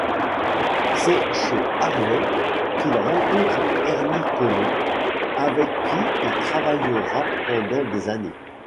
C'est chez Harvey qu'il rencontre Ernie Colón avec qui il travaillera pendant des années.